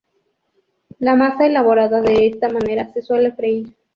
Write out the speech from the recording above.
La masa elaborada de esta manera se suele freír.